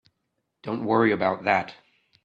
Don't worry about that.